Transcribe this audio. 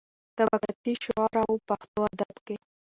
طبقاتي شعور او پښتو ادب کې.